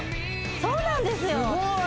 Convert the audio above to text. そうなんですよ